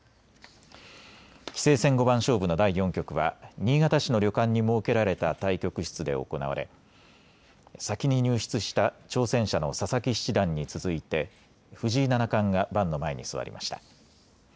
棋聖戦五番勝負の第４局は新潟市の旅館に設けられた対局室で行われ先に入室した挑戦者の佐々木七段に続いて藤井七冠が盤の前に座りました。